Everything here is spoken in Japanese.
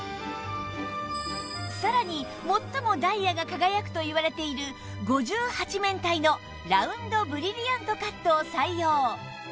さらに最もダイヤが輝くといわれている５８面体のラウンドブリリアントカットを採用